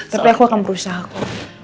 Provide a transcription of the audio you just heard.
tapi aku akan berusaha aku